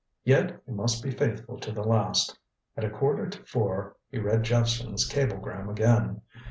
Yet he must be faithful to the last. At a quarter to four he read Jephson's cablegram again.